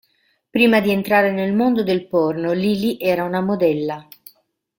Prima di entrare nel mondo del porno Lily era una modella.